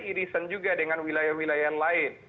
irisan juga dengan wilayah wilayah lain